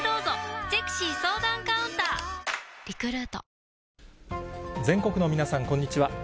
ただ、火曜日、全国の皆さん、こんにちは。